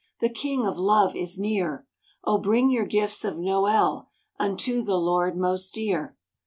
The King of love is near! Oh! bring your gifts of Noel Unto the Lord most dear."